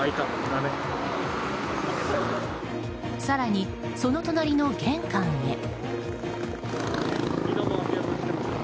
更に、その隣の玄関へ。